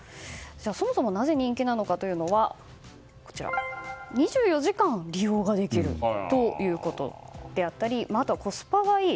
そもそもなぜ人気なのかというと２４時間利用ができるということであったりあとは、コスパがいい。